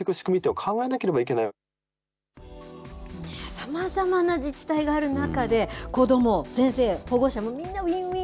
さまざまな自治体がある中で、子ども、先生、保護者もみんなウィンウィン